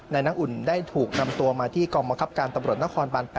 น้ำอุ่นได้ถูกนำตัวมาที่กองบังคับการตำรวจนครบาน๘